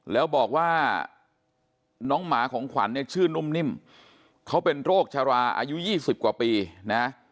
แล้วบอกว่าน้องหมาของขวัญเนี่ยชื่อนุ่มนิ่มเขาเป็นโรคชะลาอายุ๒๐กว่าปีนะ